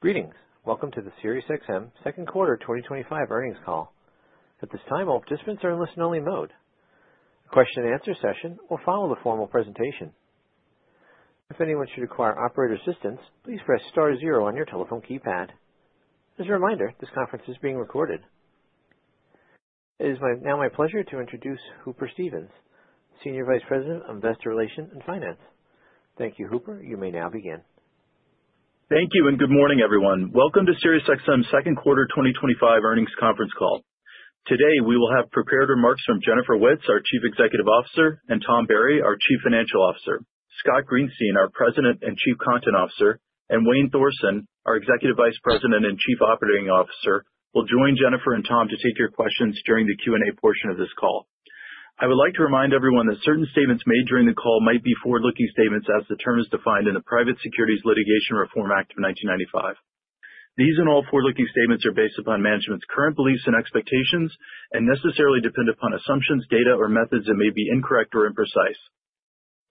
Greetings. Welcome to the SiriusXM second quarter 2025 earnings call. At this time, all participants are in listen-only mode. The question and answer session will follow the formal presentation. If anyone should require operator assistance, please press star zero on your telephone keypad. As a reminder, this conference is being recorded. It is now my pleasure to introduce Hooper Stevens, Senior Vice President of Investor Relations and Finance. Thank you, Hooper. You may now begin. Thank you, and good morning, everyone. Welcome to SiriusXM's second quarter 2025 earnings conference call. Today, we will have prepared remarks from Jennifer Witz, our Chief Executive Officer, and Tom Berry, our Chief Financial Officer. Scott Greenstein, our President and Chief Content Officer, and Wayne Thorsen, our Executive Vice President and Chief Operating Officer, will join Jennifer and Tom to take your questions during the Q&A portion of this call. I would like to remind everyone that certain statements made during the call might be forward-looking statements, as the term is defined in the Private Securities Litigation Reform Act of 1995. These and all forward-looking statements are based upon management's current beliefs and expectations and necessarily depend upon assumptions, data, or methods that may be incorrect or imprecise.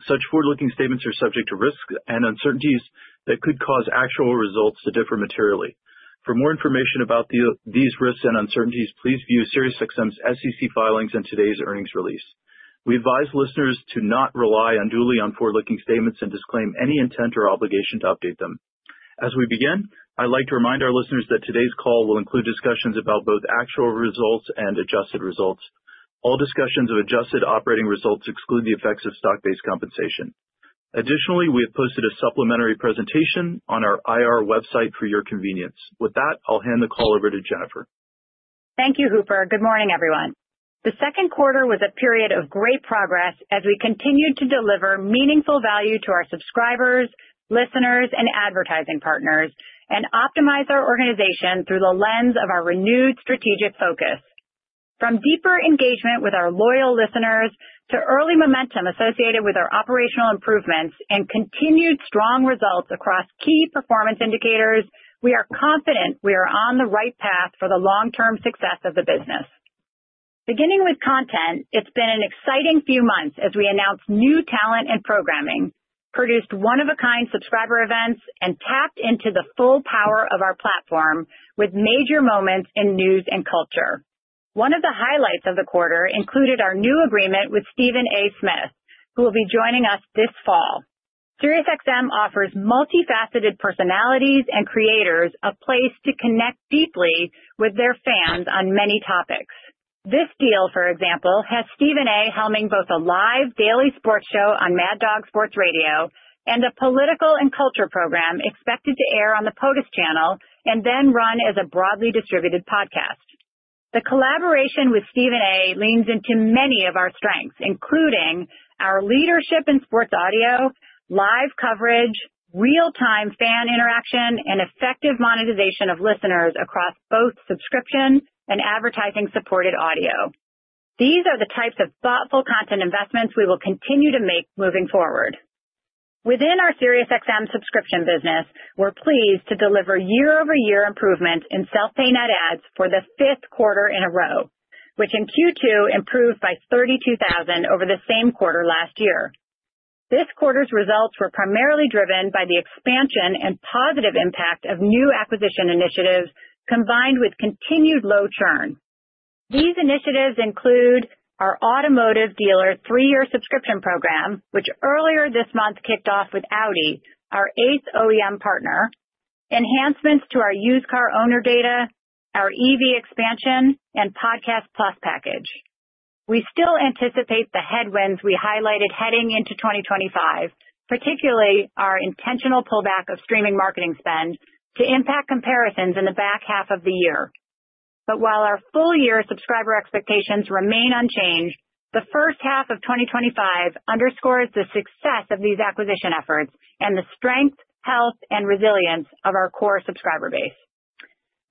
Such forward-looking statements are subject to risks and uncertainties that could cause actual results to differ materially. For more information about these risks and uncertainties, please view SiriusXM's SEC filings and today's earnings release. We advise listeners to not rely unduly on forward-looking statements and disclaim any intent or obligation to update them. As we begin, I'd like to remind our listeners that today's call will include discussions about both actual results and adjusted results. All discussions of adjusted operating results exclude the effects of stock-based compensation. Additionally, we have posted a supplementary presentation on our IR website for your convenience. With that, I'll hand the call over to Jennifer. Thank you, Hooper. Good morning, everyone. The second quarter was a period of great progress as we continued to deliver meaningful value to our subscribers, listeners, and advertising partners, and optimize our organization through the lens of our renewed strategic focus. From deeper engagement with our loyal listeners to early momentum associated with our operational improvements and continued strong results across key performance indicators, we are confident we are on the right path for the long-term success of the business. Beginning with content, it's been an exciting few months as we announced new talent and programming, produced one-of-a-kind subscriber events, and tapped into the full power of our platform with major moments in news and culture. One of the highlights of the quarter included our new agreement with Stephen A. Smith, who will be joining us this fall. SiriusXM offers multifaceted personalities and creators a place to connect deeply with their fans on many topics. This deal, for example, has Stephen A. helming both a live daily sports show on Mad Dog Sports Radio and a political and culture program expected to air on the POTUS Channel and then run as a broadly distributed podcast. The collaboration with Stephen A. leans into many of our strengths, including our leadership in sports audio, live coverage, real-time fan interaction, and effective monetization of listeners across both subscription and advertising-supported audio. These are the types of thoughtful content investments we will continue to make moving forward. Within our SiriusXM subscription business, we're pleased to deliver year-over-year improvements in self-pay net adds for the fifth quarter in a row, which in Q2 improved by $32,000 over the same quarter last year. This quarter's results were primarily driven by the expansion and positive impact of new acquisition initiatives combined with continued low churn. These initiatives include our automotive dealer three-year subscription program, which earlier this month kicked off with Audi, our ACE OEM partner, enhancements to our used car owner data, our EV expansion, and Podcast Plus package. We still anticipate the headwinds we highlighted heading into 2025, particularly our intentional pullback of streaming marketing spend to impact comparisons in the back half of the year. While our full-year subscriber expectations remain unchanged, the first half of 2025 underscores the success of these acquisition efforts and the strength, health, and resilience of our core subscriber base.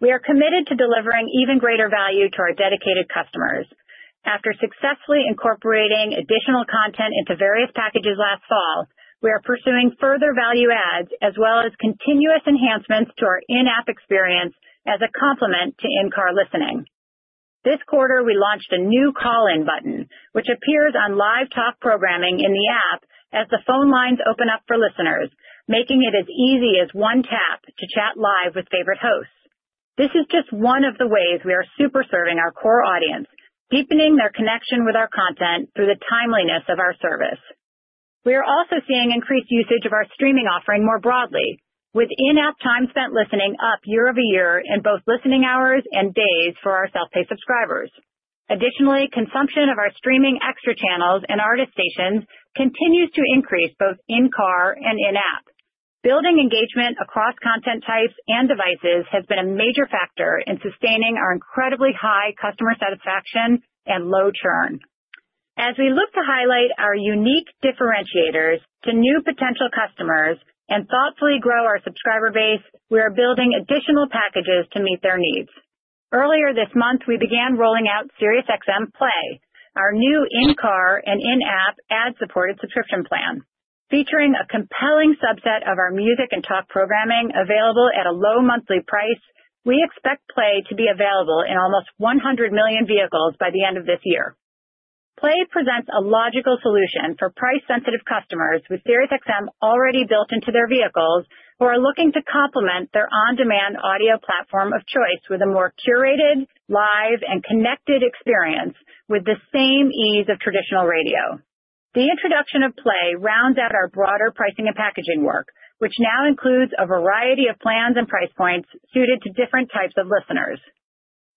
We are committed to delivering even greater value to our dedicated customers. After successfully incorporating additional content into various packages last fall, we are pursuing further value adds, as well as continuous enhancements to our in-app experience as a complement to in-car listening. This quarter, we launched a new call-in button, which appears on live talk programming in the app as the phone lines open up for listeners, making it as easy as one tap to chat live with favorite hosts. This is just one of the ways we are super serving our core audience, deepening their connection with our content through the timeliness of our service. We are also seeing increased usage of our streaming offerings more broadly, with in-app time spent listening up year over year in both listening hours and days for our self-pay subscribers. Additionally, consumption of our streaming extra channels and artist stations continues to increase both in-car and in-app. Building engagement across content types and devices has been a major factor in sustaining our incredibly high customer satisfaction and low churn. As we look to highlight our unique differentiators to new potential customers and thoughtfully grow our subscriber base, we are building additional packages to meet their needs. Earlier this month, we began rolling out SiriusXM Play, our new in-car and in-app ad-supported subscription plan. Featuring a compelling subset of our music and talk programming available at a low monthly price, we expect Play to be available in almost 100 million vehicles by the end of this year. Play presents a logical solution for price-sensitive customers with SiriusXM already built into their vehicles who are looking to complement their on-demand audio platform of choice with a more curated, live, and connected experience with the same ease of traditional radio. The introduction of Play rounds out our broader pricing and packaging work, which now includes a variety of plans and price points suited to different types of listeners.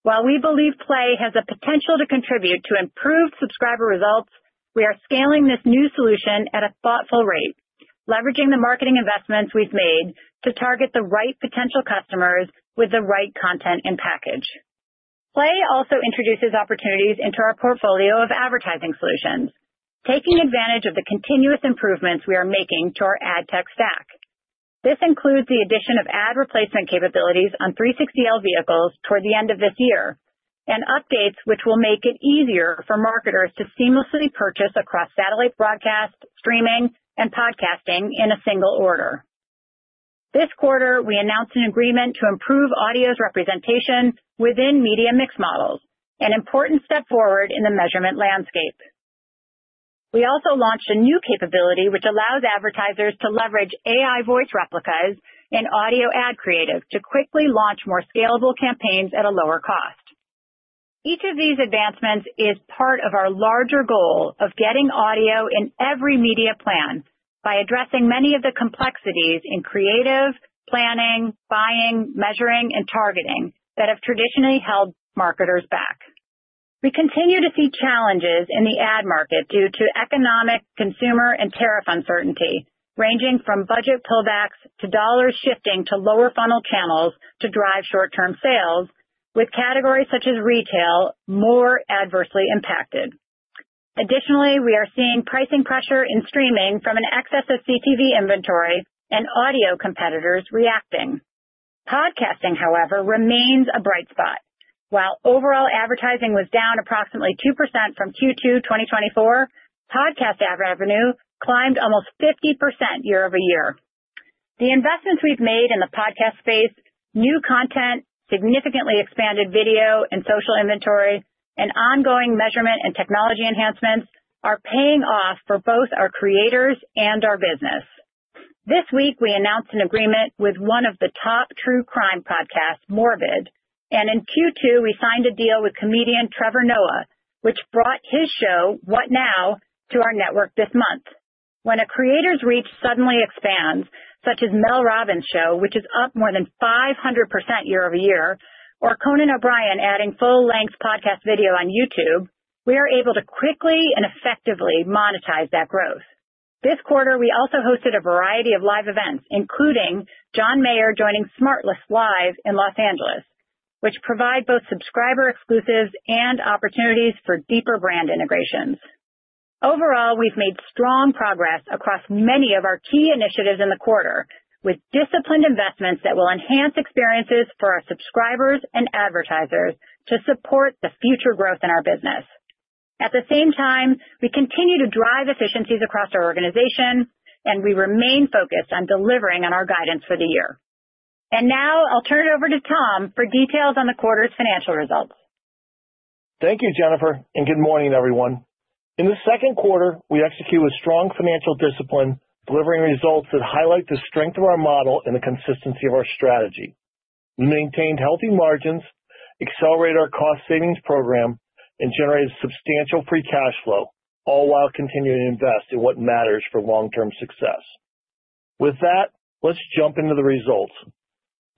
While we believe Play has the potential to contribute to improved subscriber results, we are scaling this new solution at a thoughtful rate, leveraging the marketing investments we've made to target the right potential customers with the right content and package. Play also introduces opportunities into our portfolio of advertising solutions, taking advantage of the continuous improvements we are making to our AdTech stack. This includes the addition of ad replacement capabilities on 360L vehicles toward the end of this year and updates which will make it easier for marketers to seamlessly purchase across satellite broadcast, streaming, and podcasting in a single order. This quarter, we announced an agreement to improve audio's representation within media mix models, an important step forward in the measurement landscape. We also launched a new capability which allows advertisers to leverage AI voice replicas in audio ad creative to quickly launch more scalable campaigns at a lower cost. Each of these advancements is part of our larger goal of getting audio in every media plan by addressing many of the complexities in creative planning, buying, measuring, and targeting that have traditionally held marketers back. We continue to see challenges in the ad market due to economic, consumer, and tariff uncertainty, ranging from budget pullbacks to dollars shifting to lower funnel channels to drive short-term sales, with categories such as retail more adversely impacted. Additionally, we are seeing pricing pressure in streaming from an excess of CTV inventory and audio competitors reacting. Podcasting, however, remains a bright spot. While overall advertising was down approximately 2% from Q2 2024, podcast revenue climbed almost 50% year over year. The investments we've made in the podcast space, new content, significantly expanded video and social inventory, and ongoing measurement and technology enhancements are paying off for both our creators and our business. This week, we announced an agreement with one of the top true crime podcasts, Morbid, and in Q2, we signed a deal with comedian Trevor Noah, which brought his show, What Now?, to our network this month. When a creator's reach suddenly expands, such as Mel Robbins' show, which is up more than 500% year-over-year, or Conan O'Brien adding full-length podcast video on YouTube, we are able to quickly and effectively monetize that growth. This quarter, we also hosted a variety of live events, including John Mayer joining SmartLess Live in Los Angeles, which provide both subscriber exclusives and opportunities for deeper brand integrations. Overall, we've made strong progress across many of our key initiatives in the quarter, with disciplined investments that will enhance experiences for our subscribers and advertisers to support the future growth in our business. At the same time, we continue to drive efficiencies across our organization, and we remain focused on delivering on our guidance for the year. I'll turn it over to Tom for details on the quarter's financial results. Thank you, Jennifer, and good morning, everyone. In the second quarter, we executed with strong financial discipline, delivering results that highlight the strength of our model and the consistency of our strategy. We maintained healthy margins, accelerated our cost savings program, and generated substantial free cash flow, all while continuing to invest in what matters for long-term success. With that, let's jump into the results.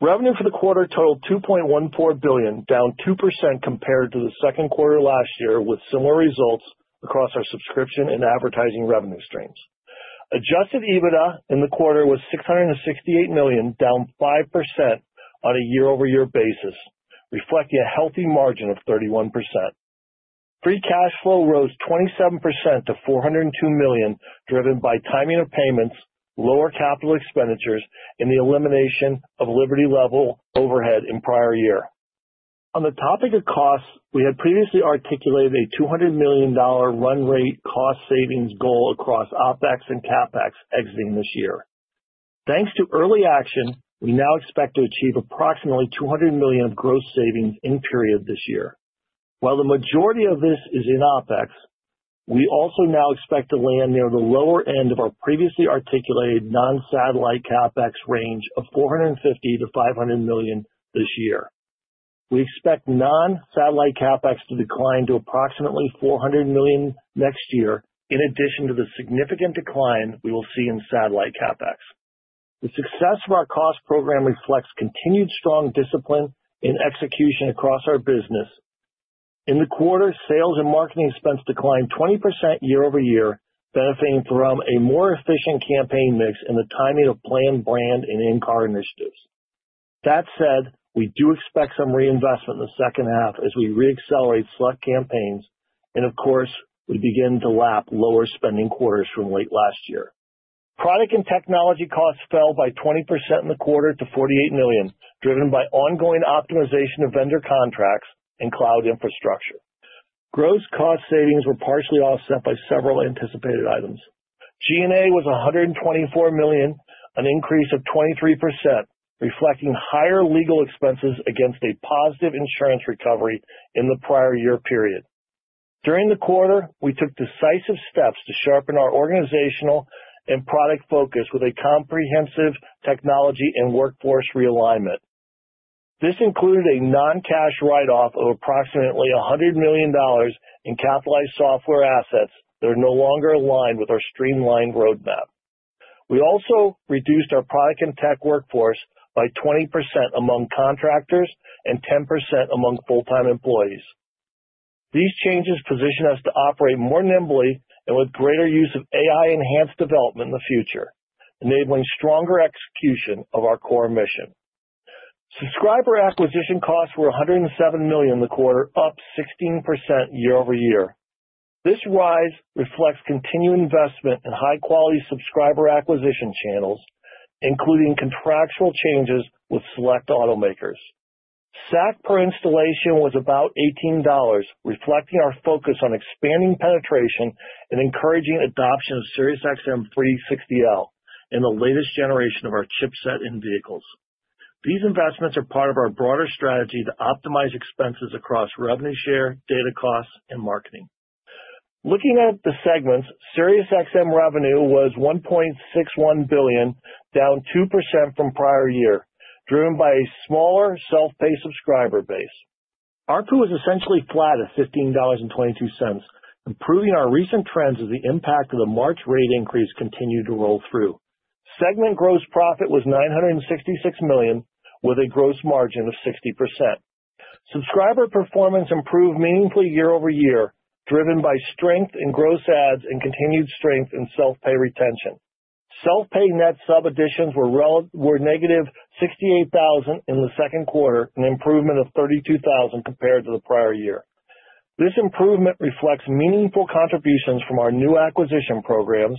Revenue for the quarter totaled $2.14 billion, down 2% compared to the second quarter last year, with similar results across our subscription and advertising revenue streams. Adjusted EBITDA in the quarter was $668 million, down 5% on a year-over-year basis, reflecting a healthy margin of 31%. Free cash flow rose 27% to $402 million, driven by timing of payments, lower capital expenditures, and the elimination of Liberty-level overhead in prior year. On the topic of costs, we had previously articulated a $200 million run rate cost savings goal across OpEx and CapEx exiting this year. Thanks to early action, we now expect to achieve approximately $200 million of gross savings in period this year. While the majority of this is in OpEx, we also now expect to land near the lower end of our previously articulated non-satellite CapEx range of $450-$500 million this year. We expect non-satellite CapEx to decline to approximately $400 million next year, in addition to the significant decline we will see in satellite CapEx. The success of our cost program reflects continued strong discipline in execution across our business. In the quarter, sales and marketing expense declined 20% year-over-year, benefiting from a more efficient campaign mix and the timing of planned brand and in-car initiatives. That said, we do expect some reinvestment in the second half as we re-accelerate select campaigns and, of course, we begin to lap lower spending quarters from late last year. Product and technology costs fell by 20% in the quarter to $48 million, driven by ongoing optimization of vendor contracts and cloud infrastructure. Gross cost savings were partially offset by several anticipated items. G&A was $124 million, an increase of 23%, reflecting higher legal expenses against a positive insurance recovery in the prior year period. During the quarter, we took decisive steps to sharpen our organizational and product focus with a comprehensive technology and workforce realignment. This included a non-cash write-off of approximately $100 million in capitalized software assets that are no longer aligned with our streamlined roadmap. We also reduced our product and tech workforce by 20% among contractors and 10% among full-time employees. These changes position us to operate more nimbly and with greater use of AI-enhanced development in the future, enabling stronger execution of our core mission. Subscriber acquisition costs were $107 million in the quarter, up 16% year-over-year. This rise reflects continued investment in high-quality subscriber acquisition channels, including contractual changes with select automakers. SAC per installation was about $18, reflecting our focus on expanding penetration and encouraging adoption of SiriusXM 360L and the latest generation of our chipset in vehicles. These investments are part of our broader strategy to optimize expenses across revenue share, data costs, and marketing. Looking at the segments, SiriusXM revenue was $1.61 billion, down 2% from prior year, driven by a smaller self-pay subscriber base. ARPU was essentially flat at $15.22, improving our recent trends as the impact of the March rate increase continued to roll through. Segment gross profit was $966 million, with a gross margin of 60%. Subscriber performance improved meaningfully year over year, driven by strength in gross ads and continued strength in self-pay retention. Self-pay net sub additions were negative 68,000 in the second quarter, an improvement of 32,000 compared to the prior year. This improvement reflects meaningful contributions from our new acquisition programs,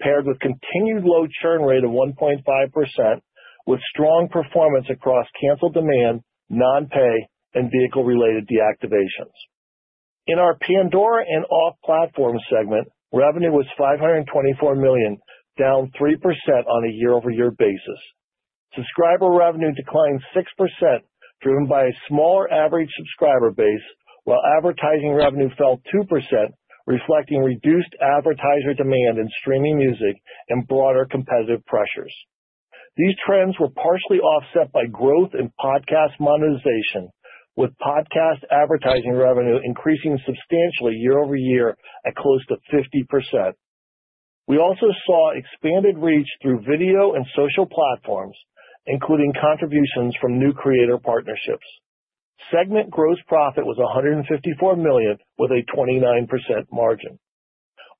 paired with a continued low churn rate of 1.5%, with strong performance across canceled demand, non-pay, and vehicle-related deactivations. In our Pandora and off-platform segment, revenue was $524 million, down 3% on a year-over-year basis. Subscriber revenue declined 6%, driven by a smaller average subscriber base, while advertising revenue fell 2%, reflecting reduced advertiser demand in streaming music and broader competitive pressures. These trends were partially offset by growth in podcast monetization, with podcast advertising revenue increasing substantially year-over-year at close to 50%. We also saw expanded reach through video and social platforms, including contributions from new creator partnerships. Segment gross profit was $154 million, with a 29% margin.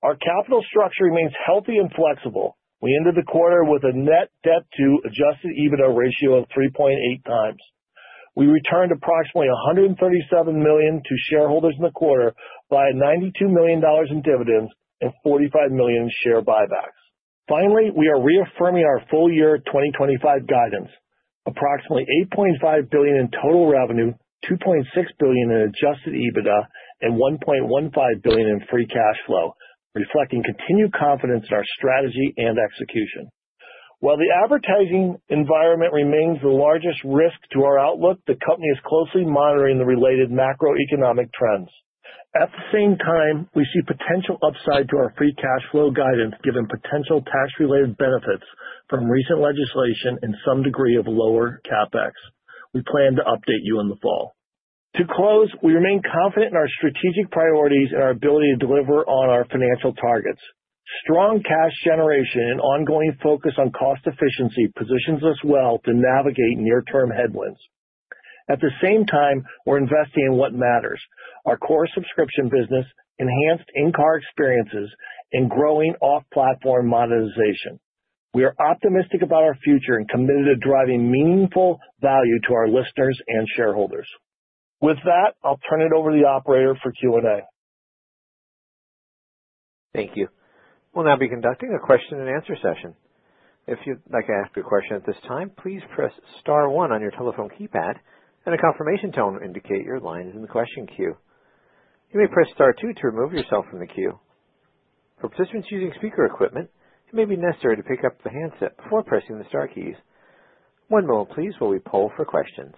Our capital structure remains healthy and flexible. We ended the quarter with a net debt to adjusted EBITDA ratio of 3.8x. We returned approximately $137 million to shareholders in the quarter, by $92 million in dividends and $45 million in share buybacks. Finally, we are reaffirming our full year 2025 guidance, approximately $8.5 billion in total revenue, $2.6 billion in adjusted EBITDA, and $1.15 billion in free cash flow, reflecting continued confidence in our strategy and execution. While the advertising environment remains the largest risk to our outlook, the company is closely monitoring the related macro-economic trends. At the same time, we see potential upside to our free cash flow guidance, given potential tax-related benefits from recent legislation and some degree of lower CapEx. We plan to update you in the fall. To close, we remain confident in our strategic priorities and our ability to deliver on our financial targets. Strong cash generation and ongoing focus on cost efficiency positions us well to navigate near-term headwinds. At the same time, we're investing in what matters: our core subscription business, enhanced in-car experiences, and growing off-platform monetization. We are optimistic about our future and committed to driving meaningful value to our listeners and shareholders. With that, I'll turn it over to the operator for Q&A. Thank you. We'll now be conducting a question and answer session. If you'd like to ask a question at this time, please press star one on your telephone keypad and a confirmation tone to indicate your line is in the question queue. You may press star two to remove yourself from the queue. For participants using speaker equipment, it may be necessary to pick up the handset before pressing the star keys. One moment, please, while we poll for questions.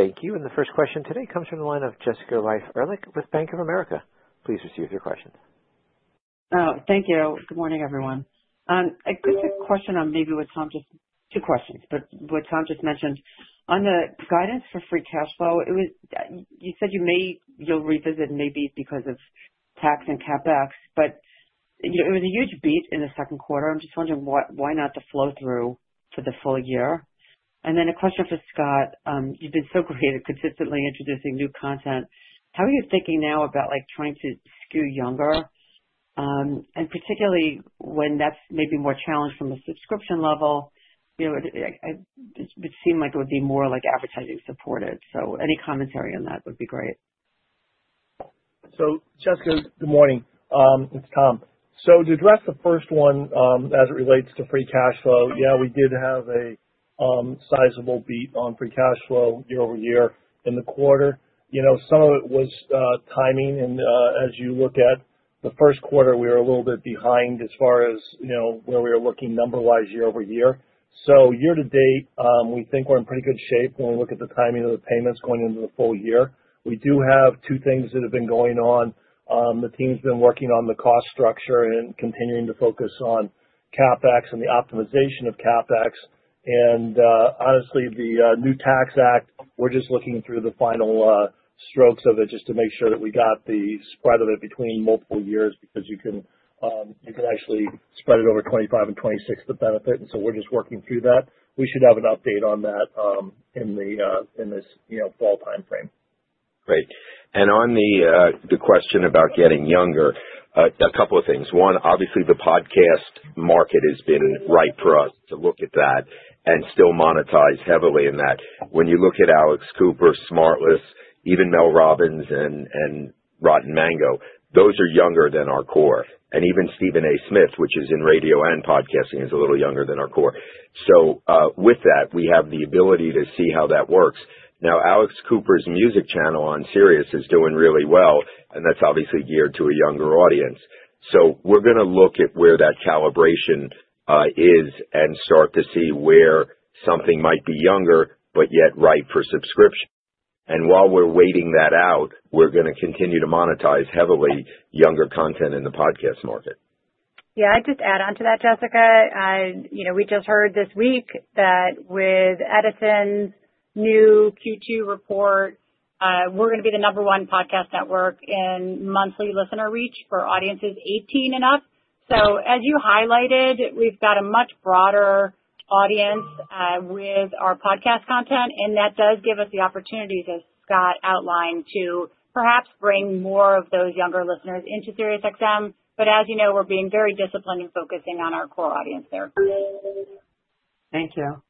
Thank you. The first question today comes from the line of Jessica Reif Ehrlich with Bank of America. Please proceed with your questions. Oh, thank you. Good morning, everyone. A quick question on maybe what Tom just mentioned on the guidance for free cash flow. You said you may revisit maybe because of tax and CapEx, but you know it was a huge beat in the second quarter. I'm just wondering why not the flow through for the full year? A question for Scott. You've been so creative consistently introducing new content. How are you thinking now about trying to skew younger, and particularly when that's maybe more challenged from a subscription level? It would seem like it would be more like advertising supported. Any commentary on that would be great. Jessica, good morning. It's Tom. To address the first one, as it relates to free cash flow, yeah, we did have a sizable beat on free cash flow year over year in the quarter. Some of it was timing. As you look at the first quarter, we are a little bit behind as far as where we are looking number-wise year over year. Year to date, we think we're in pretty good shape when we look at the timing of the payments going into the full year. We do have two things that have been going on. The team's been working on the cost structure and continuing to focus on CapEx and the optimization of CapEx. Honestly, the new tax act, we're just looking through the final strokes of it just to make sure that we got the spread of it between multiple years because you can actually spread it over 2025 and 2026 to benefit. We're just working through that. We should have an update on that in this fall timeframe. Great. On the question about getting younger, a couple of things. One, obviously, the podcast market has been ripe for us to look at that and still monetize heavily in that. When you look at Alex Cooper, Smartless, even Mel Robbins and Rotten Mango, those are younger than our core. Even Stephen A. Smith, which is in radio and podcasting, is a little younger than our core. With that, we have the ability to see how that works. Now, Alex Cooper's music channel on Sirius is doing really well, and that's obviously geared to a younger audience. We are going to look at where that calibration is and start to see where something might be younger but yet ripe for subscription. While we're waiting that out, we are going to continue to monetize heavily younger content in the podcast market. I'd just add on to that, Jessica. We just heard this week that with Edison's new Q2 report, we're going to be the number one podcast network in monthly listener reach for audiences 18 and up. As you highlighted, we've got a much broader audience with our podcast content. That does give us the opportunity, as Scott outlined, to perhaps bring more of those younger listeners into SiriusXM. As you know, we're being very disciplined and focusing on our core audience there. Thank you.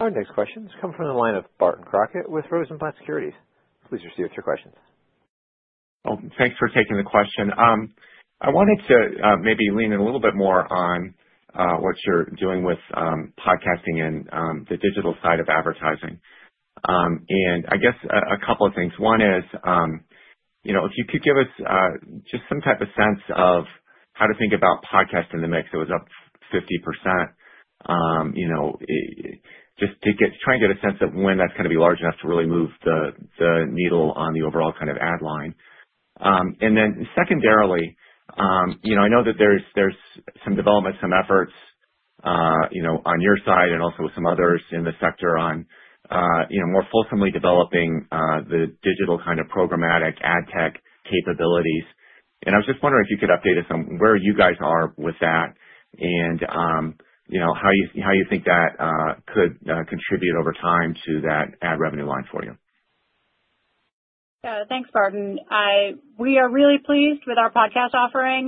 Our next question is coming from the line of Barton Crockett with Rosenblatt Securities. Please proceed with your questions. Oh, thanks for taking the question. I wanted to maybe lean in a little bit more on what you're doing with podcasting and the digital side of advertising. I guess a couple of things. One is, you know, if you could give us just some type of sense of how to think about podcasts in the mix. It was up 50%. You know, just to try and get a sense of when that's going to be large enough to really move the needle on the overall kind of ad line. Secondarily, you know, I know that there's some development, some efforts, you know, on your side and also with some others in the sector on more fulsomely developing the digital kind of programmatic AdTech capabilities. I was just wondering if you could update us on where you guys are with that and, you know, how you think that could contribute over time to that ad revenue line for you. Yeah, thanks, Barton. We are really pleased with our podcast offering.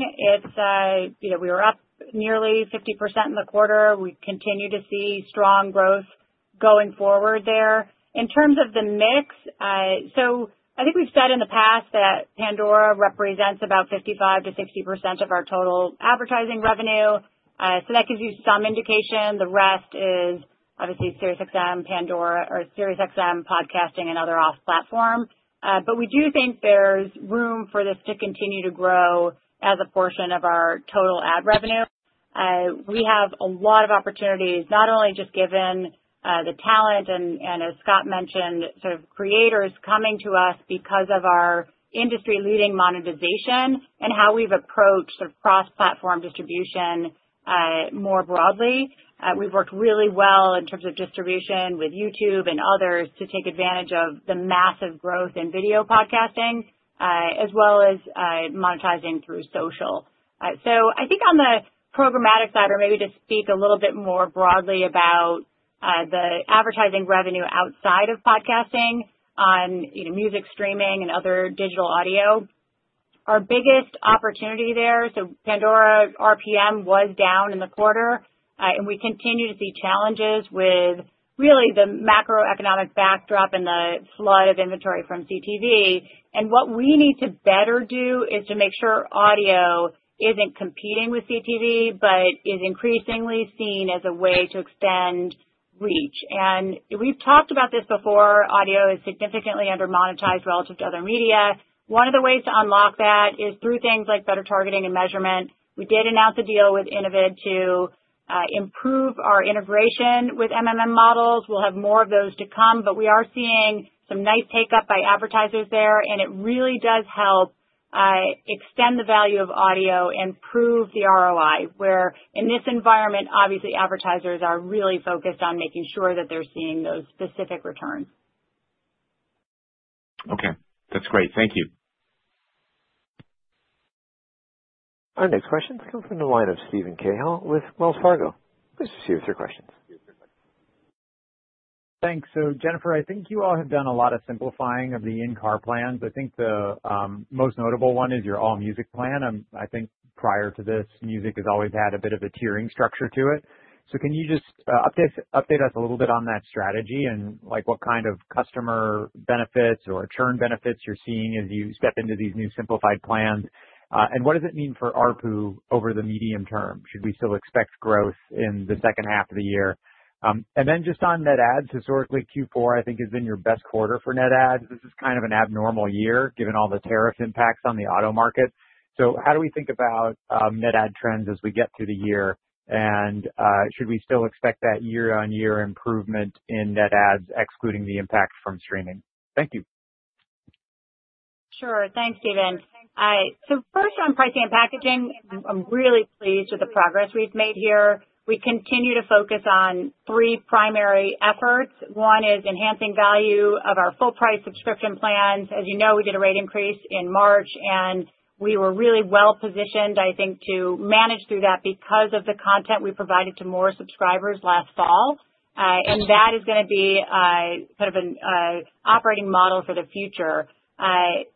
We were up nearly 50% in the quarter. We continue to see strong growth going forward there. In terms of the mix, I think we've said in the past that Pandora represents about 55%-60% of our total advertising revenue. That gives you some indication. The rest is obviously SiriusXM, Pandora, or SiriusXM podcasting and other off-platform. We do think there's room for this to continue to grow as a portion of our total ad revenue. We have a lot of opportunities, not only just given the talent and, as Scott mentioned, sort of creators coming to us because of our industry-leading monetization and how we've approached sort of cross-platform distribution more broadly. We've worked really well in terms of distribution with YouTube and others to take advantage of the massive growth in video podcasting, as well as monetizing through social. I think on the programmatic side, or maybe to speak a little bit more broadly about the advertising revenue outside of podcasting on music streaming and other digital audio, our biggest opportunity there, Pandora RPM was down in the quarter, and we continue to see challenges with really the macro-economic backdrop and the flood of inventory from CTV. What we need to better do is to make sure audio isn't competing with CTV but is increasingly seen as a way to extend reach. We've talked about this before. Audio is significantly undermonetized relative to other media. One of the ways to unlock that is through things like better targeting and measurement. We did announce a deal with Innovate to improve our integration with models. We'll have more of those to come, but we are seeing some nice take-up by advertisers there, and it really does help extend the value of audio and prove the ROI, where in this environment, advertisers are really focused on making sure that they're seeing those specific returns. Okay, that's great. Thank you. Our next question comes from the line of Steven Cahall with Wells Fargo. Please proceed with your questions. Thanks. Jennifer, I think you all have done a lot of simplifying of the in-car plans. I think the most notable one is your all-music plan. I think prior to this, music has always had a bit of a tiering structure to it. Can you just update us a little bit on that strategy and what kind of customer benefits or churn benefits you're seeing as you step into these new simplified plans? What does it mean for ARPU over the medium term? Should we still expect growth in the second half of the year? Just on net ads, historically, Q4 has been your best quarter for net ads. This is kind of an abnormal year given all the tariff impacts on the auto market. How do we think about net ad trends as we get through the year? Should we still expect that year-on-year improvement in net ads, excluding the impact from streaming? Thank you. Sure. Thanks, Steven. First, on pricing and packaging, I'm really pleased with the progress we've made here. We continue to focus on three primary efforts. One is enhancing value of our full-price subscription plans. As you know, we did a rate increase in March, and we were really well positioned, I think, to manage through that because of the content we provided to more subscribers last fall. That is going to be kind of an operating model for the future.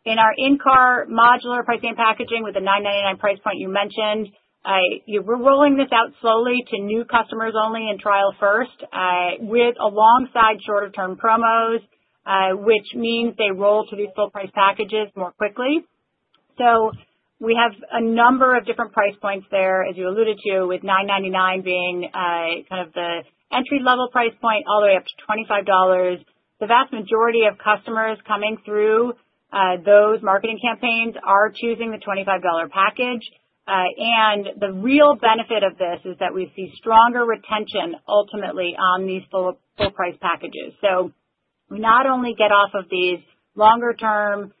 In our in-car modular pricing and packaging with the $9.99 price point you mentioned, we're rolling this out slowly to new customers only in trial first, alongside shorter-term promos, which means they roll to these full-price packages more quickly. We have a number of different price points there, as you alluded to, with $9.99 being kind of the entry-level price point all the way up to $25. The vast majority of customers coming through those marketing campaigns are choosing the $25 package. The real benefit of this is that we see stronger retention ultimately on these full-price packages. We not only get off of these longer-term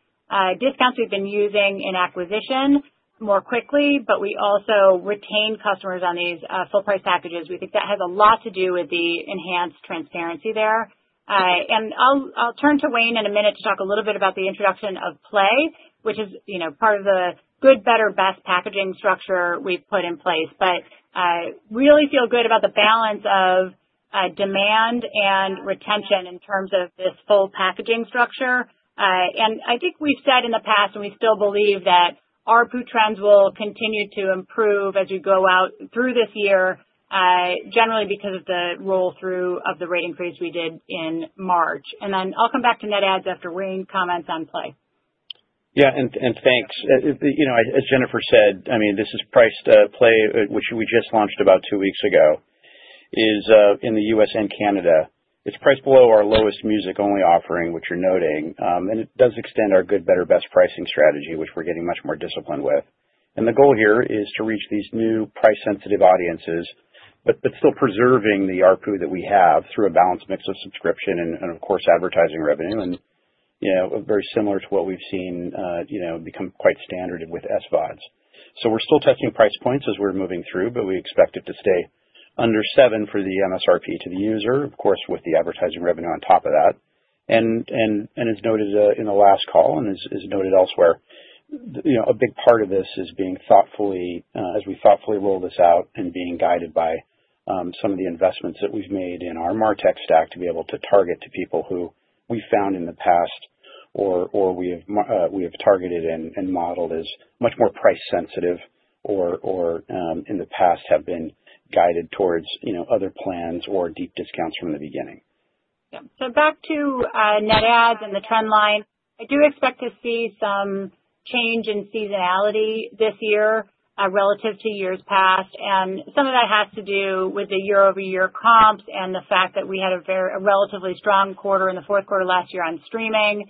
discounts we've been using in acquisition more quickly, but we also retain customers on these full-price packages. We think that has a lot to do with the enhanced transparency there. I'll turn to Wayne in a minute to talk a little bit about the introduction of Play, which is part of the good, better, best packaging structure we've put in place. I really feel good about the balance of demand and retention in terms of this full packaging structure. I think we've said in the past, and we still believe that ARPU trends will continue to improve as we go out through this year, generally because of the roll-through of the rate increase we did in March. I'll come back to net ads after Wayne comments on Play. Yeah, thanks. You know, as Jennifer said, this is priced to Play, which we just launched about two weeks ago, in the U.S. and Canada. It's priced below our lowest music-only offering, which you're noting. It does extend our good, better, best pricing strategy, which we're getting much more disciplined with. The goal here is to reach these new price-sensitive audiences but still preserve the ARPU that we have through a balanced mix of subscription and, of course, advertising revenue. You know, very similar to what we've seen become quite standard with SVODs. We're still testing price points as we're moving through, but we expect it to stay under $7 for the MSRP to the user, of course, with the advertising revenue on top of that. As noted in the last call and as noted elsewhere, a big part of this is being thoughtful as we thoughtfully roll this out and being guided by some of the investments that we've made in our martech stack to be able to target people who we found in the past or we have targeted and modeled as much more price-sensitive or in the past have been guided towards other plans or deep discounts from the beginning. Yeah. Back to net ads and the trend line, I do expect to see some change in seasonality this year relative to years past. Some of that has to do with the year-over-year comps and the fact that we had a relatively strong quarter in the fourth quarter last year on streaming.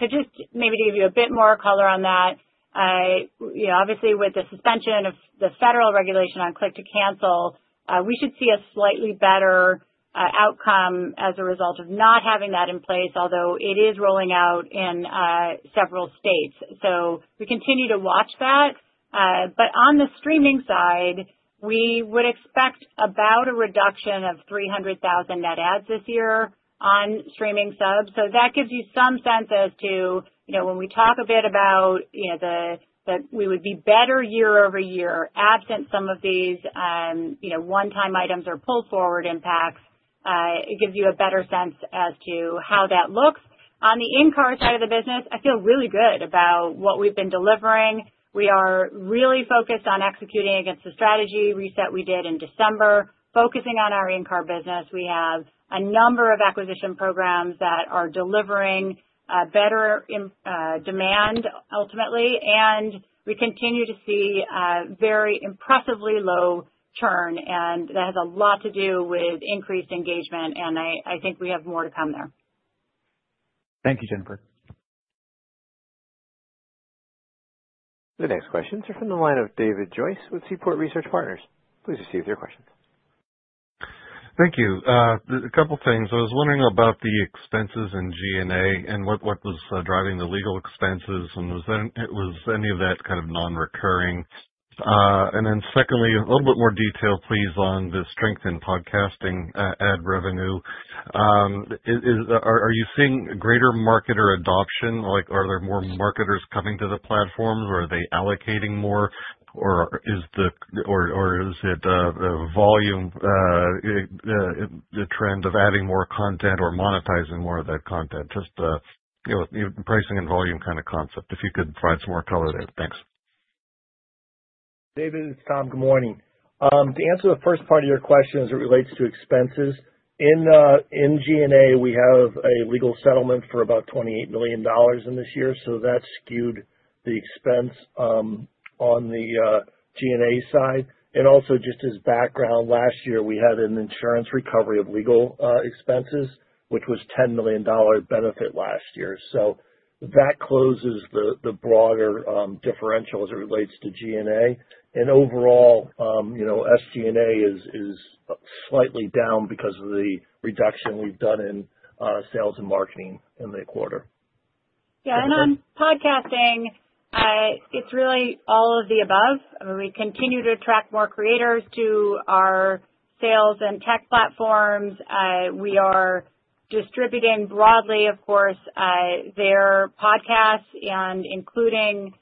Just maybe to give you a bit more color on that, obviously, with the suspension of the federal regulation on click-to-cancel, we should see a slightly better outcome as a result of not having that in place, although it is rolling out in several states. We continue to watch that. On the streaming side, we would expect about a reduction of 300,000 net ads this year on streaming subs. That gives you some sense as to, when we talk a bit about, that we would be better year over year absent some of these one-time items or pull-forward impacts, it gives you a better sense as to how that looks. On the in-car side of the business, I feel really good about what we've been delivering. We are really focused on executing against the strategy reset we did in December, focusing on our in-car business. We have a number of acquisition programs that are delivering a better in demand ultimately. We continue to see very impressively low churn, and that has a lot to do with increased engagement. I think we have more to come there. Thank you, Jennifer. The next questions are from the line of David Joyce with Seaport Research Partners. Please proceed with your questions. Thank you. A couple of things. I was wondering about the expenses in G&A and what was driving the legal expenses, and was any of that kind of non-recurring? Secondly, a little bit more detail, please, on the strength in podcasting ad revenue. Are you seeing greater marketer adoption? Like, are there more marketers coming to the platforms, or are they allocating more, or is it the volume, the trend of adding more content or monetizing more of that content? Just, you know, pricing and volume kind of concept, if you could provide some more color there. Thanks. David, it's Tom. Good morning. To answer the first part of your question as it relates to expenses, in G&A, we have a legal settlement for about $28 million this year. That skewed the expense on the G&A side. Just as background, last year we had an insurance recovery of legal expenses, which was a $10 million benefit last year. That closes the broader differential as it relates to G&A. Overall, you know, SG&A is slightly down because of the reduction we've done in sales and marketing in the quarter. Yeah, and on podcasting, it's really all of the above. I mean, we continue to attract more creators to our sales and tech platforms. We are distributing broadly, of course, their podcasts and including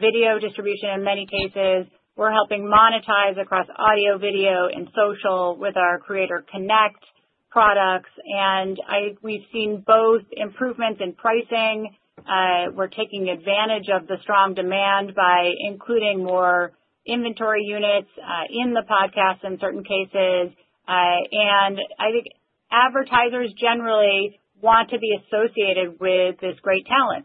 video distribution in many cases. We're helping monetize across audio, video, and social with our Creator Connect products. We've seen both improvements in pricing. We're taking advantage of the strong demand by including more inventory units in the podcast in certain cases. I think advertisers generally want to be associated with this great talent.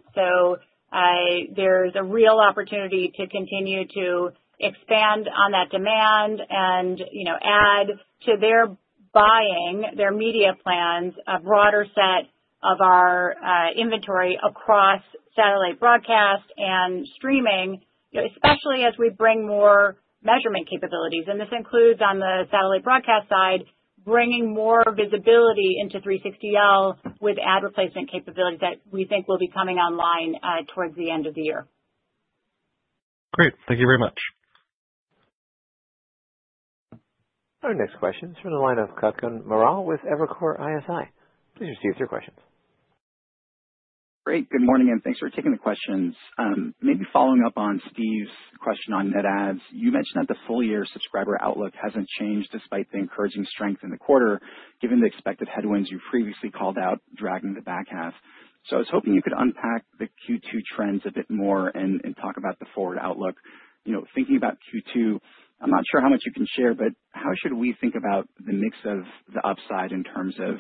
There's a real opportunity to continue to expand on that demand and, you know, add to their buying, their media plans, a broader set of our inventory across satellite broadcast and streaming, especially as we bring more measurement capabilities. This includes, on the satellite broadcast side, bringing more visibility into 360L with ad replacement capabilities that we think will be coming online towards the end of the year. Great. Thank you very much. Our next question is from the line of Kutgun Maral with Evercore ISI. Please proceed with your questions. Great. Good morning, and thanks for taking the questions. Maybe following up on Steve's question on net ads, you mentioned that the full-year subscriber outlook hasn't changed despite the encouraging strength in the quarter, given the expected headwinds you previously called out dragging the back half. I was hoping you could unpack the Q2 trends a bit more and talk about the forward outlook. Thinking about Q2, I'm not sure how much you can share, but how should we think about the mix of the upside in terms of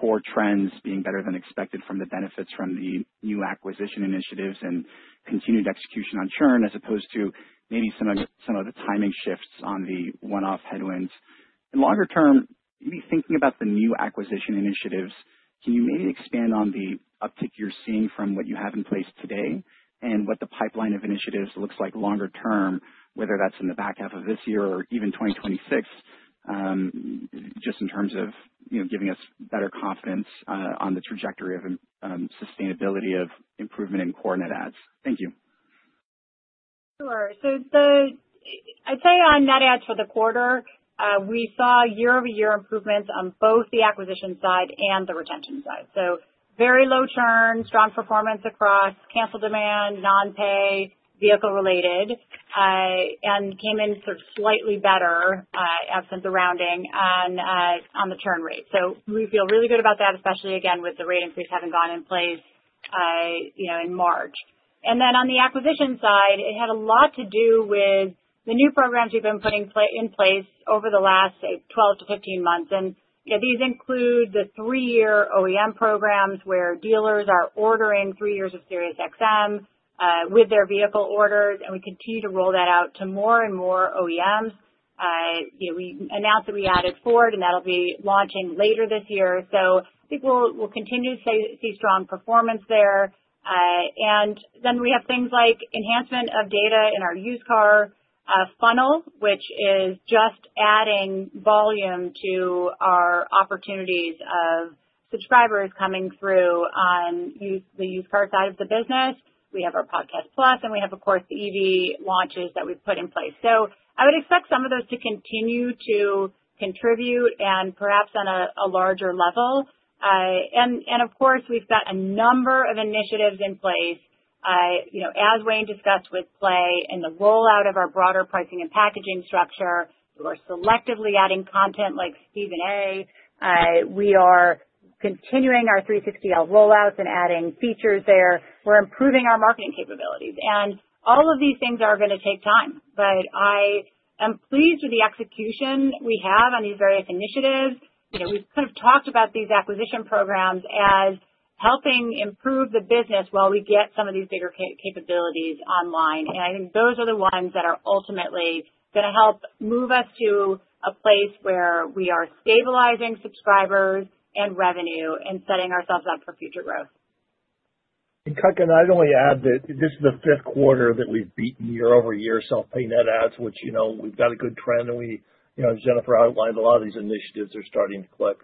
core trends being better than expected from the benefits from the new acquisition initiatives and continued execution on churn as opposed to maybe some of the timing shifts on the one-off headwinds? Longer term, maybe thinking about the new acquisition initiatives, can you expand on the uptick you're seeing from what you have in place today and what the pipeline of initiatives looks like longer term, whether that's in the back half of this year or even 2026, just in terms of giving us better confidence on the trajectory of sustainability of improvement in core net ads? Thank you. Sure. I'd say on net additions for the quarter, we saw year-over-year improvements on both the acquisition side and the retention side. Very low churn, strong performance across canceled demand, non-pay, vehicle-related, and came in slightly better, absent the rounding on the churn rate. We feel really good about that, especially, again, with the rate increase having gone in place in March. On the acquisition side, it had a lot to do with the new programs we've been putting in place over the last, say, 12-15 months. These include the three-year OEM programs where dealers are ordering three years of SiriusXM with their vehicle orders. We continue to roll that out to more and more OEMs. We announced that we added Ford, and that'll be launching later this year. I think we'll continue to see strong performance there. We have things like enhancement of data in our used car funnel, which is just adding volume to our opportunities of subscribers coming through on the used car side of the business. We have our Podcast Plus, and we have, of course, the EV launches that we've put in place. I would expect some of those to continue to contribute and perhaps on a larger level. Of course, we've got a number of initiatives in place. As Wayne discussed with Play and the rollout of our broader pricing and packaging structure, we're selectively adding content like Stephen A. We are continuing our 360L rollouts and adding features there. We're improving our marketing capabilities. All of these things are going to take time. I am pleased with the execution we have on these various initiatives. We've kind of talked about these acquisition programs as helping improve the business while we get some of these bigger capabilities online. I think those are the ones that are ultimately going to help move us to a place where we are stabilizing subscribers and revenue and setting ourselves up for future growth. Kutgun, I'd only add that this is the fifth quarter that we've beaten year-over-year self-pay net additions, which, you know, we've got a good trend. As Jennifer outlined, a lot of these initiatives are starting to click.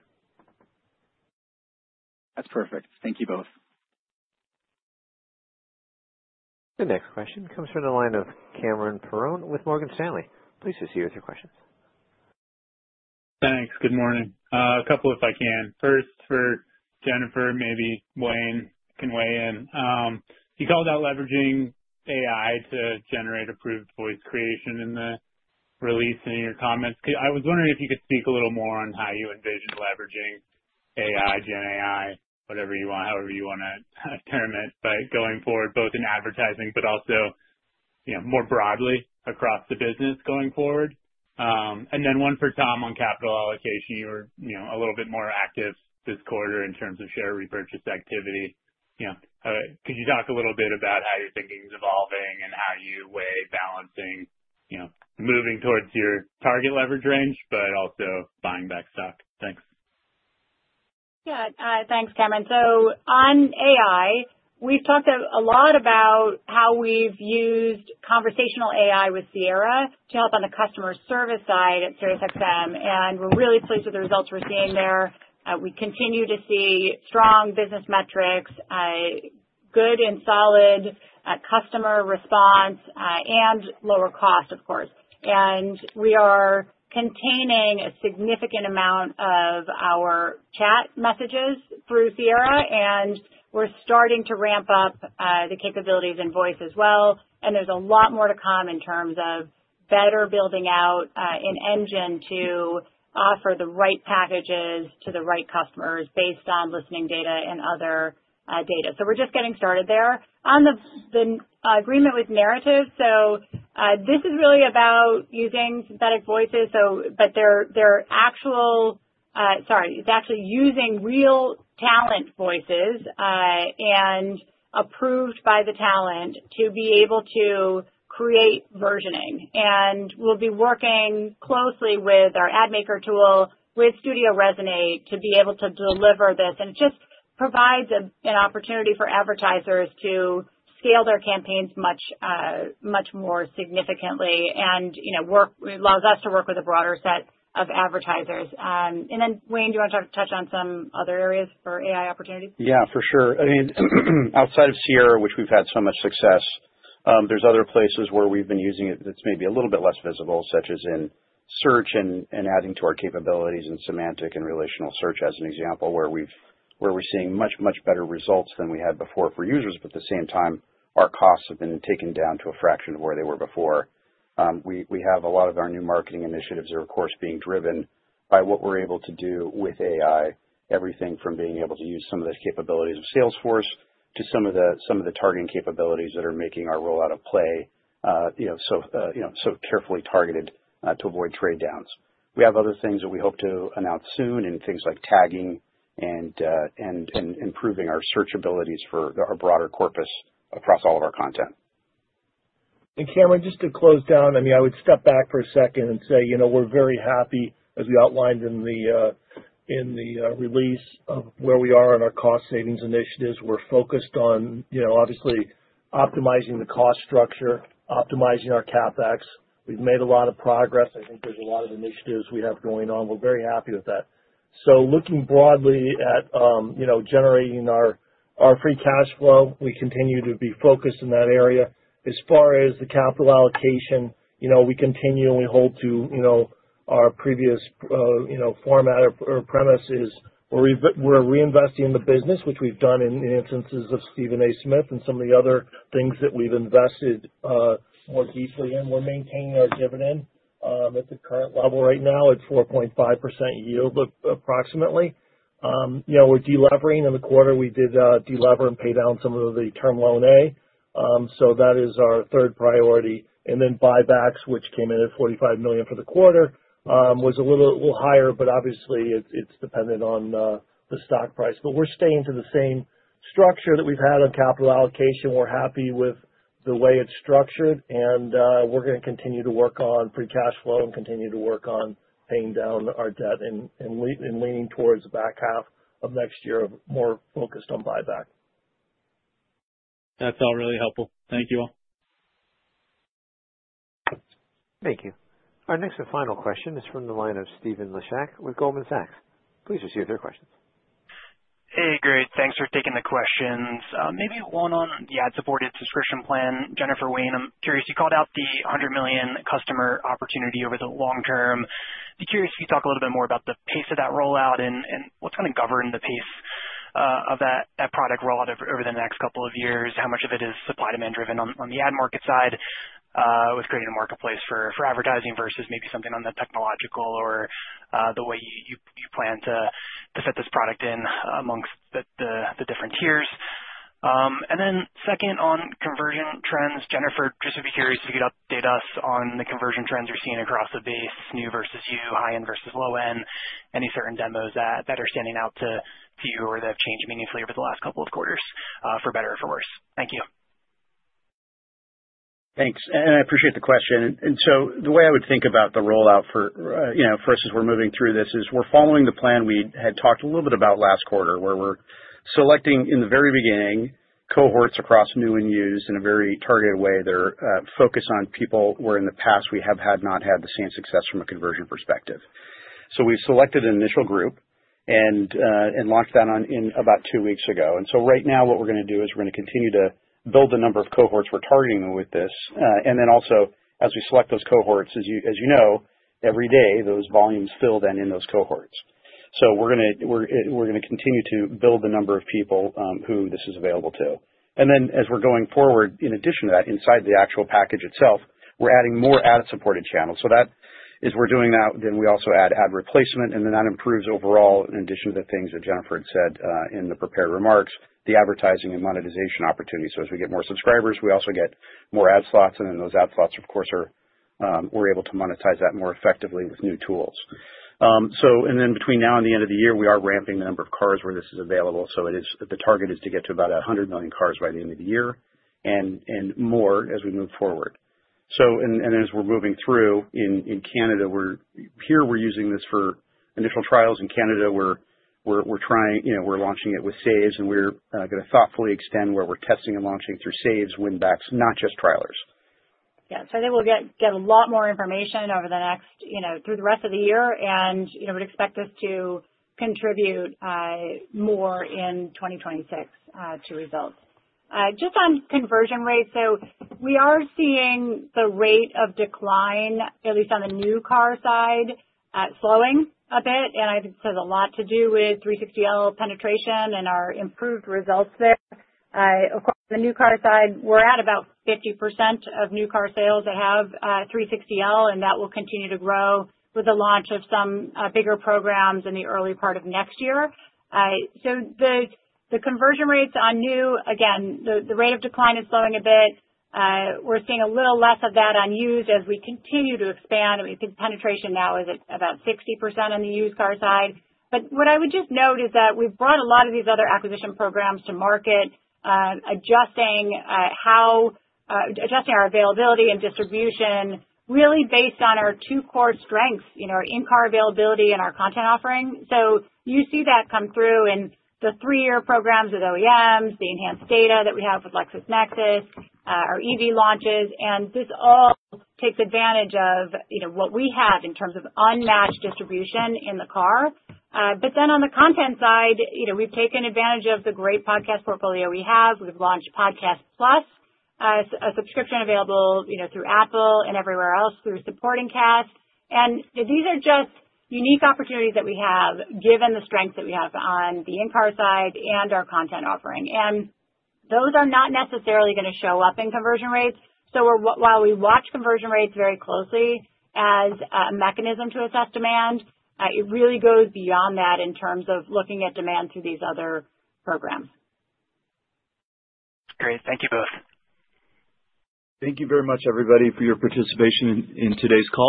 That's perfect. Thank you both. The next question comes from the line of Cameron Perrone with Morgan Stanley. Please proceed with your questions. Thanks. Good morning. A couple if I can. First, for Jennifer, maybe Wayne can weigh in. You called out leveraging AI to generate improved voice creation in the release in your comments. I was wondering if you could speak a little more on how you envision leveraging AI, GenAI, whatever you want, however you want to term it, but going forward both in advertising but also, you know, more broadly across the business going forward. One for Tom on capital allocation. You were a little bit more active this quarter in terms of share repurchase activity. Could you talk a little bit about how your thinking is evolving and how you weigh balancing moving towards your target leverage range but also buying back stock? Thanks. Yeah, thanks, Cameron. On AI, we've talked a lot about how we've used conversational AI with Sierra to help on the customer service side at SiriusXM. We're really pleased with the results we're seeing there. We continue to see strong business metrics, good and solid customer response, and lower cost, of course. We are containing a significant amount of our chat messages through Sierra, and we're starting to ramp up the capabilities in voice as well. There's a lot more to come in terms of better building out an engine to offer the right packages to the right customers based on listening data and other data. We're just getting started there. On the agreement with Narrative, this is really about using synthetic voices, but they're actual, sorry, it's actually using real talent voices, and approved by the talent to be able to create versioning. We'll be working closely with our Ad Maker tool, with Studio Resonate, to be able to deliver this. It just provides an opportunity for advertisers to scale their campaigns much, much more significantly and, you know, allows us to work with a broader set of advertisers. Wayne, do you want to touch on some other areas for AI opportunities? Yeah, for sure. I mean, outside of Sierra, which we've had so much success, there's other places where we've been using it that's maybe a little bit less visible, such as in search and adding to our capabilities in semantic and relational search as an example, where we're seeing much, much better results than we had before for users. At the same time, our costs have been taken down to a fraction of where they were before. We have a lot of our new marketing initiatives that are, of course, being driven by what we're able to do with AI, everything from being able to use some of those capabilities of Salesforce to some of the targeting capabilities that are making our rollout of SiriusXM Play so carefully targeted to avoid trade downs. We have other things that we hope to announce soon and things like tagging and improving our search abilities for our broader corpus across all of our content. Cameron, just to close down, I would step back for a second and say, you know, we're very happy, as we outlined in the release, of where we are in our cost savings initiatives. We're focused on, you know, obviously, optimizing the cost structure, optimizing our CapEx. We've made a lot of progress. I think there's a lot of initiatives we have going on. We're very happy with that. Looking broadly at, you know, generating our free cash flow, we continue to be focused in that area. As far as the capital allocation, you know, we continue and we hold to, you know, our previous, you know, format or premises. We're reinvesting in the business, which we've done in the instances of Stephen A. Smith and some of the other things that we've invested more deeply in. We're maintaining our dividend at the current level right now at 4.5% yield, approximately. You know, we're delevering in the quarter. We did delever and pay down some of the term loan A. That is our third priority. Buybacks, which came in at $45 million for the quarter, was a little higher, but obviously, it's dependent on the stock price. We're staying to the same structure that we've had on capital allocation. We're happy with the way it's structured, and we're going to continue to work on free cash flow and continue to work on paying down our debt and leaning towards the back half of next year, more focused on buyback. That's all really helpful. Thank you all. Thank you. Our next and final question is from the line of Stephen Laszczyk with Goldman Sachs. Please proceed with your questions. Hey, Greg. Thanks for taking the questions. Maybe one on the ad-supported subscription plan. Jennifer, Wayne, I'm curious. You called out the 100 million customer opportunity over the long term. I'd be curious if you could talk a little bit more about the pace of that rollout and what's kind of governed the pace of that product rollout over the next couple of years. How much of it is supply-demand-driven on the ad market side, with creating a marketplace for advertising versus maybe something on the technological or the way you plan to fit this product in amongst the different tiers? Second, on conversion trends. Jennifer, just would be curious if you could update us on the conversion trends you're seeing across the base, new versus you, high-end versus low-end, any certain demos that are standing out to you or that have changed meaningfully over the last couple of quarters, for better or for worse. Thank you. Thanks. I appreciate the question. The way I would think about the rollout for, you know, first as we're moving through this is we're following the plan we had talked a little bit about last quarter where we're selecting in the very beginning cohorts across new and used in a very targeted way that are focused on people where in the past we have not had the same success from a conversion perspective. We've selected an initial group and launched that about two weeks ago. Right now, what we're going to do is continue to build the number of cohorts, targeting them with this. Also, as we select those cohorts, as you know, every day, those volumes fill in those cohorts. We're going to continue to build the number of people who this is available to. As we're going forward, in addition to that, inside the actual package itself, we're adding more ad-supported channels. That is, we're doing that. We also add ad replacement, and that improves overall, in addition to the things that Jennifer had said in the prepared remarks, the advertising and monetization opportunities. As we get more subscribers, we also get more ad slots. Those ad slots, of course, are we're able to monetize that more effectively with new tools. Between now and the end of the year, we are ramping the number of cars where this is available. The target is to get to about 100 million cars by the end of the year and more as we move forward. As we're moving through in Canada, we're using this for initial trials in Canada. We're launching it with saves, and we're going to thoughtfully extend where we're testing and launching through saves, win-backs, not just trailers. Yeah. I think we'll get a lot more information over the next, you know, through the rest of the year. We'd expect this to contribute more in 2026 to results. Just on conversion rates, we are seeing the rate of decline, at least on the new car side, slowing a bit. I think it has a lot to do with 360L penetration and our improved results there. Of course, on the new car side, we're at about 50% of new car sales that have 360L, and that will continue to grow with the launch of some bigger programs in the early part of next year. The conversion rates on new, again, the rate of decline is slowing a bit. We're seeing a little less of that on used as we continue to expand. I think penetration now is at about 60% on the used car side. What I would just note is that we've brought a lot of these other acquisition programs to market, adjusting how, adjusting our availability and distribution really based on our two core strengths, our in-car availability and our content offering. You see that come through in the three-year programs with OEMs, the enhanced data that we have with LexisNexis, our EV launches. This all takes advantage of what we have in terms of unmatched distribution in the car. On the content side, we've taken advantage of the great podcast portfolio we have. We've launched Podcast Plus, a subscription available through Apple and everywhere else through Supporting Cast. These are just unique opportunities that we have given the strength that we have on the in-car side and our content offering. Those are not necessarily going to show up in conversion rates. While we watch conversion rates very closely as a mechanism to assess demand, it really goes beyond that in terms of looking at demand through these other programs. Great. Thank you both. Thank you very much, everybody, for your participation in today's call.